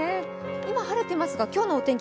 今晴れてますが今日のお天気